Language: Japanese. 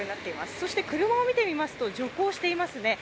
そして車を見てみますと徐行していますね。